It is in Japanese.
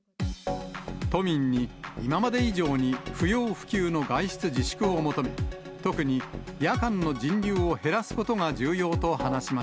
都民に、今まで以上に不要不急の外出自粛を求め、特に夜間の人流を減らすことが重要と話しま